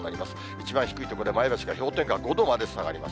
一番低い所で、前橋が氷点下５度まで下がります。